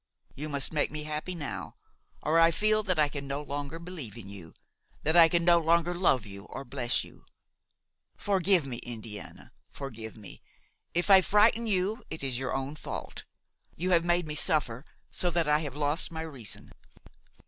You must make me happy now, or I feel that I can no longer believe in you–that I can no longer love you or bless you. Forgive me, Indiana, forgive me! If I frighten you it is your own fault; you have made me suffer so that I have lost my reason!"